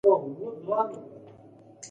زما خپله د پېټرا ښار لیدلو ته ډېره تلوسه وه.